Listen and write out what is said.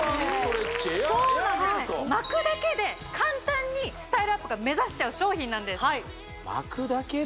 巻くだけで簡単にスタイルアップが目指せちゃう商品なんです